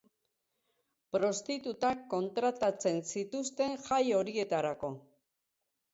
Prostitutak kontratatzen zituzten jai horietarako.